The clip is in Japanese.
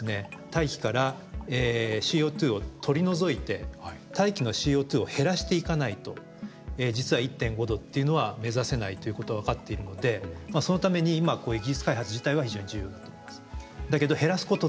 大気からＣＯを取り除いて大気のＣＯを減らしていかないと実は１．５℃っていうのは目指せないということが分かっているのでそのために今こういう技術開発自体は非常に重要だと思います。